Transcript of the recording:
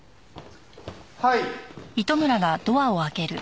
はい。